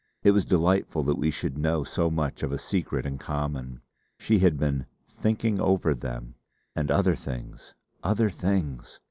It was delightful that we should know so much of a secret in common. She had been 'thinking over them' and other things! 'Other things!'